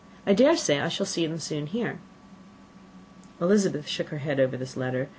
I dare say I shall soon see them here." Elizabeth shook her head over this letter.